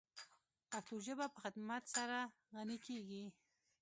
پښتو ژبه په خدمت سره غَنِی کیږی.